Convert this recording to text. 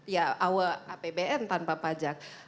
ya awal apbn tanpa pajak